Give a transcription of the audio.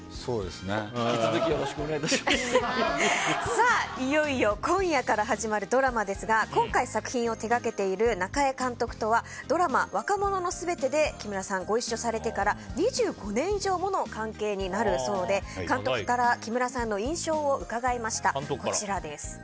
引き続きさあ、いよいよ今夜から始まるドラマですが今回、作品を手掛けている中江監督はドラマ「若者のすべて」で木村さん、ご一緒されてから２５年以上の関係になるそうで監督から木村さんの印象を伺いました。